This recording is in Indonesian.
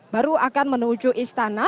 baru akan menuju istana